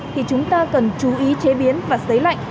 thì chúng ta cần chú ý chế biến và sấy lạnh